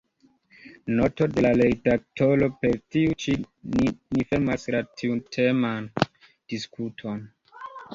Noto de la redaktoro: Per tiu ĉi ni fermas la tiuteman diskuton.